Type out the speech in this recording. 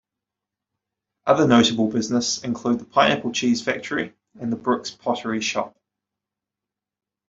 Other notable business include the pineapple cheese factory and the Brooks pottery shop.